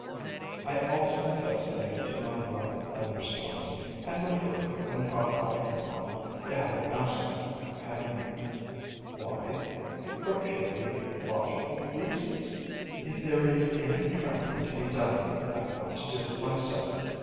I also confess that I do not like thunder storms, and prefer, when caught out 238 FLOWERS OF THE SUN in one, to have a masculine companion. Why? For purely logical reasons. If there is any trem bling to be done, I want to do it myself.